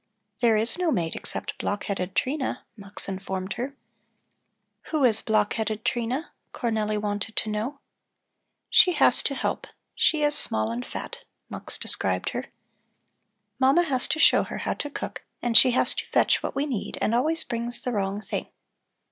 "There is no maid, except block headed Trina," Mux informed her. "Who is block headed Trina?" Cornelli wanted to know. "She has to help; she is small and fat," Mux described her. "Mama has to show her how to cook, and she has to fetch what we need and always brings the wrong thing.